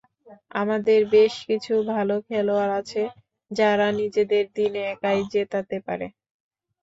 আমাদের বেশ কিছু ভালো খেলোয়াড় আছে, যারা নিজেদের দিনে একাই জেতাতে পারে।